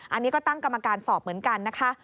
อันนี้ก็ตั้งกรรมการสอบเหมือนกันนะคะ